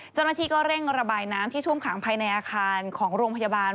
เจ้าหน้าที่ก็เร่งระบายน้ำที่ท่วมขังภายในอาคารของโรงพยาบาล